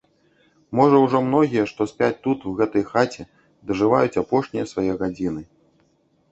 Можа ўжо многія, што спяць тут у гэтай хаце, дажываюць апошнія свае гадзіны.